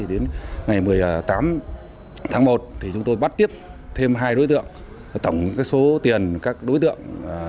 đến ngày một mươi tám tháng một chúng tôi bắt tiếp thêm hai đối tượng tổng số tiền các đối tượng